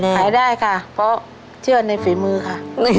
ขายได้ค่ะเพราะเชื่อในฝีมือค่ะ